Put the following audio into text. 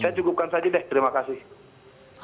saya cukupkan saja deh terima kasih